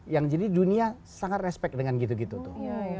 yang jadi dunia sangat respect dengan gitu gitu tuh